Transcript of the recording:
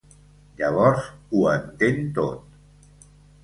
Llavors ho entén tot.